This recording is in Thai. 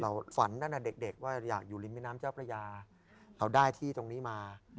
ฝันตั้งแต่เด็กว่าอยากอยู่ริมแม่น้ำเจ้าพระยาเราได้ที่ตรงนี้มา